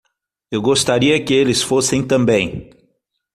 Eu gostaria que eles fossem também.